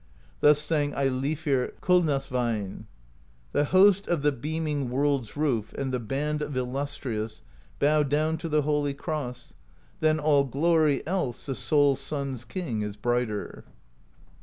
Thus sang Eilifr Kiilnasveinn: The Host of the beaming World's Roof And the Band of Illustrious bow down To the Holy Cross; than all glory Else the Sole Sun's King is brighter.